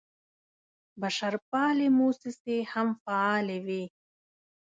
بشرپالې موسسې هم فعالې وې.